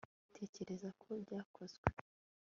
tekereza ko byakozwe